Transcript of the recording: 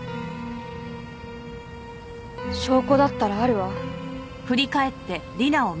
証拠だったらあるわ。